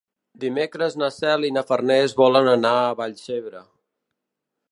Dimecres na Cel i na Farners volen anar a Vallcebre.